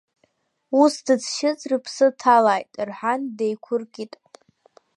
Ус дызшьыз рыԥсы ҭалааит, — рҳәан деиқәыркит.